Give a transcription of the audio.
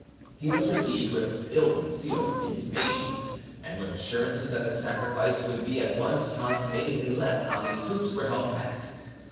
He was received with ill concealed indignation, and with assurances that the sacrifice would be at once consummated unless Ali's troops were held back.